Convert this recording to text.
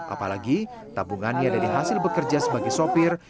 apalagi tabungannya dari hasil bekerja sebagai sopir